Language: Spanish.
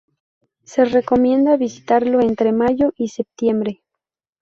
Se recomienda visitarlo entre mayo y septiembre.